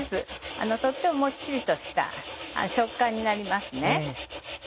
とってももっちりとした食感になりますね。